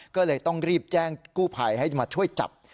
ก็เลยต้องรีบแจ้งกู้ภัยให้มาช่วยจับ